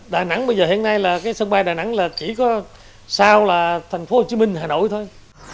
đà nẵng bây giờ hiện nay là cái sân bay đà nẵng là chỉ có sao là thành phố hồ chí minh hà nội thôi